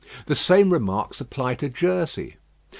The same remarks apply to Jersey.